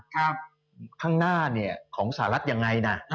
ข้างหน้าเนี่ยของสหรัฐยังไงนะ